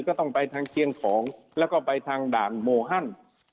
ก็ต้องไปทางเชียงของแล้วก็ไปทางด่านโมฮัน